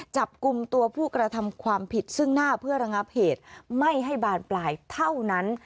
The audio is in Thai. จับกลุ่มตัวผู้กระทำความผิดซึ่งหน้าเพื่อระงับเหตุไม่ให้บานปลายเท่านั้น